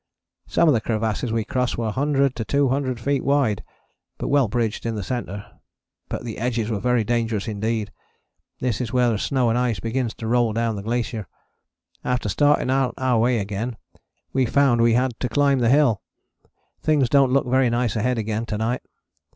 Some of the crevasses we crossed were 100 to 200 feet wide, but well bridged in the centre, but the edges were very dangerous indeed. This is where the snow and ice begins to roll down the glacier. After starting on our way again we found we had to climb the hill. Things dont look very nice ahead again to night.